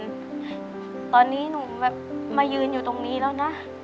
ตอนนี้หนูแบบมายืนอยู่ตรงนี้แล้วนะ